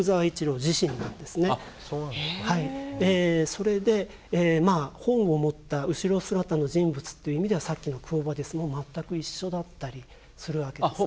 それでまあ本を持った後ろ姿の人物っていう意味ではさっきの「クォ・ヴァディス」も全く一緒だったりするわけですね。